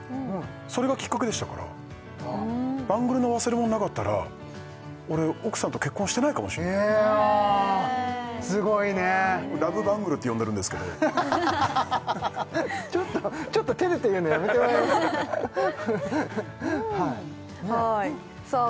それがきっかけでしたからバングルの忘れ物なかったら俺奥さんと結婚してないかもしれないすごいねラブバングルって呼んでるんですけどちょっとちょっと照れて言うのやめてもらえます？